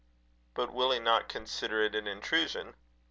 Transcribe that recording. "But will he not consider it an intrusion?"